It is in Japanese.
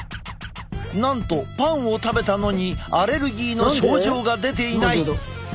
なんとパンを食べたのにアレルギーの症状が出ていない！